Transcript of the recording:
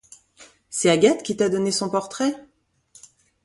C'est Agathe qui t'a donné son portrait ?